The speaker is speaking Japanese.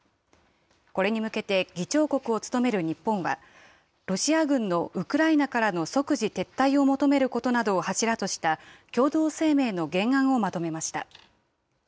これに向けて議長国を務める日本は、ロシア軍のウクライナからの即時撤退を求めることなどを柱とした共同声明の原案をまとめました。